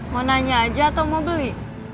mau nanya aja atau mau beli